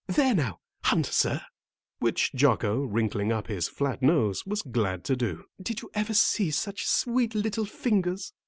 "There now, hunt, sir," which Jocko, wrinkling up his flat nose, was glad to do. "Did you ever see such sweet little fingers?"